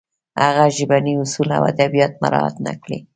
هغه ژبني اصول او ادبیات مراعت نه کړل